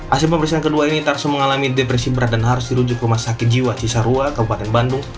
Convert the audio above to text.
hasil pemeriksaan kedua ini tarso mengalami depresi berat dan harus dirujuk ke rumah sakit jiwa cisarua kabupaten bandung